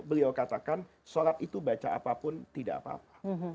beliau katakan sholat itu baca apapun tidak apa apa